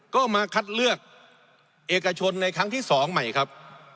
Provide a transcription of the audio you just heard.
ก็มาคัดเลือกเอกชนในครั้งที่๒ใหม่ครับ